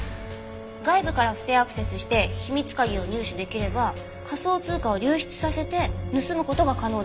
外部から不正アクセスして秘密鍵を入手できれば仮想通貨を流出させて盗む事が可能です。